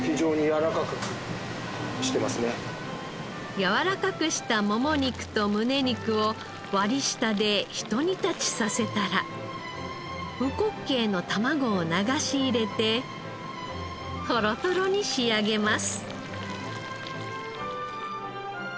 軟らかくしたもも肉とむね肉を割り下でひと煮立ちさせたらうこっけいの卵を流し入れてトロトロに仕上げます。